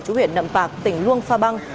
chủ huyện nậm bạc tỉnh luông pha bang